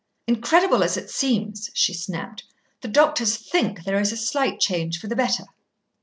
"Incredible as it seems," she snapped, "the doctors think there is a slight change, for the better."